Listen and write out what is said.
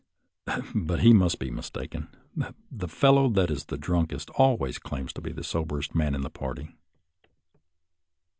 But he must be mistaken ; the fellow that is drunkest always claims to be the soberest man in the party.